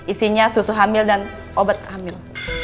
isinya susu hamil dan obat hamil